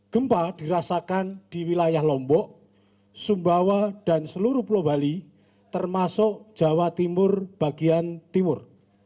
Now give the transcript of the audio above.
gempa dirasakan di wilayah lombok sumbawa dan seluruh pulau bali termasuk jawa timur bagian timur